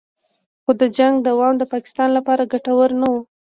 خو د جنګ دوام د پاکستان لپاره ګټور نه و